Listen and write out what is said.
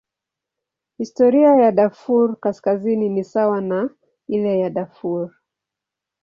Historia ya Darfur Kaskazini ni sawa na ile ya Darfur.